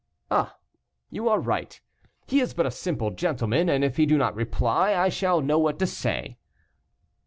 "Ah! you are right. He is but a simple gentleman, and if he do not reply, I shall know what to say."